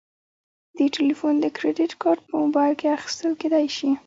د تلیفون د کریدت کارت په موبایل کې اخیستل کیدی شي.